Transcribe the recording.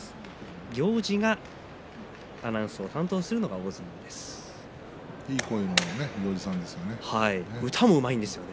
行司がアナウンスを担当するのがいい声の行司さんですよね。